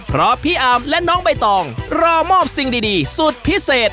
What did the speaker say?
เพราะพี่อาร์มและน้องใบตองรอมอบสิ่งดีสุดพิเศษ